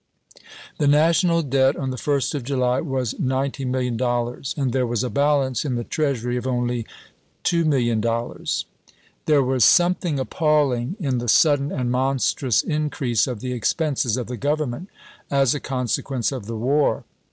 The national debt on the first of July was $90,000,000, and there was a balance in the Treasury of only $2,000,000. FINANCIAL MEASURES 227 There was something appalling in the sudden chap. xi. and monstrous increase of the expenses of the Government as a consequence of the war.